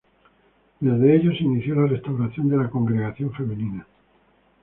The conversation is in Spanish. Desde ellos se inició la restauración de la congregación femenina.